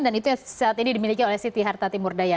dan itu saat ini dimiliki oleh siti harta timur daya